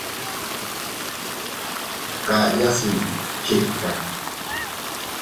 Dkayaasiin chikta.